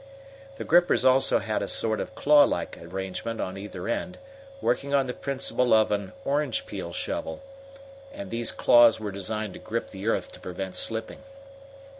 The grippers also had a sort of clawlike arrangement on either end, working on the principle of an "orange peel" shovel, and these claws were designed to grip the earth to prevent slipping.